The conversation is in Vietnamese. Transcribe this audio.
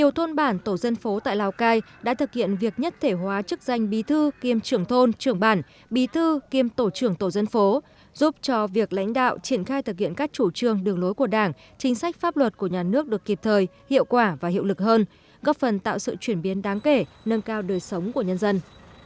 nhiều thôn bản tổ dân phố tại lào cai đã thực hiện việc nhất thể hóa chức danh bí thư kiêm trưởng thôn trưởng bản bí thư kiêm tổ trưởng tổ dân phố giúp cho việc lãnh đạo triển khai thực hiện các chủ trương đường lối của đảng chính sách pháp luật của nhà nước được kịp thời hiệu quả và hiệu lực hơn góp phần tạo sự chuyển biến đáng kể nâng cao đời sống của nhân dân